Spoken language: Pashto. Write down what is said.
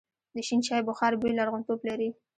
د شین چای بخار بوی لرغونتوب لري.